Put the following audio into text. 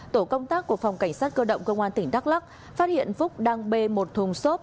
tổ công tác của phòng cảnh sát cơ động cơ quan tỉnh đắk lắk phát hiện phúc đang bê một thùng xốp